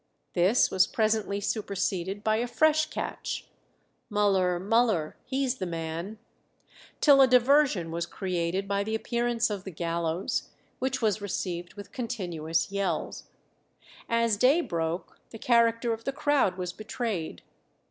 This was presently superseded by a fresh catch "Müller, Müller, He's the man"; till a diversion was created by the appearance of the gallows, which was received with continuous yells. As day broke the character of the crowd was betrayed.